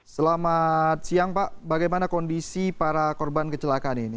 selamat siang pak bagaimana kondisi para korban kecelakaan ini